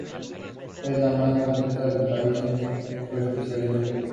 Es el más completo del país en su especialidad.